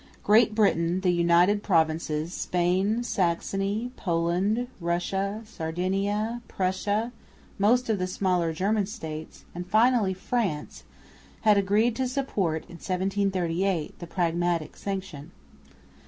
Great Britain, the United Provinces, Spain, Saxony, Poland, Russia, Sardinia, Prussia, most of the smaller German States, and finally France, had agreed to support (1738) the Pragmatic Sanction.